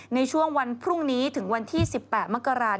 ในช่วงวันพรุ่งนี้ถึงวันที่๑๘มกราศ